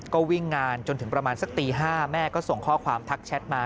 ก็วิ่งงานจนถึงประมาณสักตี๕แม่ก็ส่งข้อความทักแชทมา